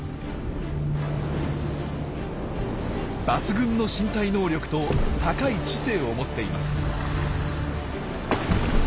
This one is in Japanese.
抜群の身体能力と高い知性を持っています。